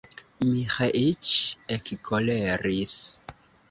Miĥeiĉ ekkoleris.